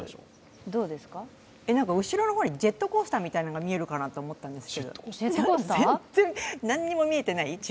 後ろの方に、ジェットコースターみたいなものが見えるかなと思ったんですが全然、何にも見えていない？